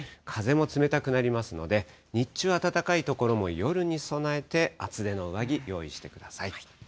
風も冷たくなりますので、日中は暖かい所も夜に備えて厚手の上着用意してください。